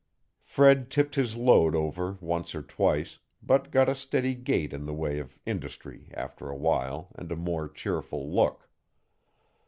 Fred tipped his load over once or twice, but got a steady gait in the way of industry after a while and a more cheerful look.